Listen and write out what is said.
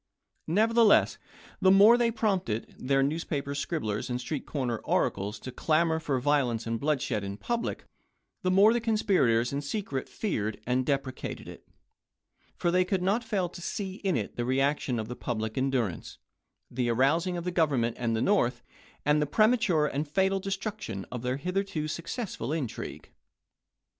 Nevertheless, the more they prompted their newspaper scribblers and street corner oracles to clamor for violence and bloodshed in public, the more the conspirators in secret feared and deprecated it, for they could not fail to see in it the reaction of the public endurance, the arousing of the Government and the North, and the premature and fatal destruction of their hith erto successful intrigue.